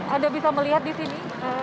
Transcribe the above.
anda bisa melihat di sini